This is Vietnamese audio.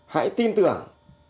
hãy tin tưởng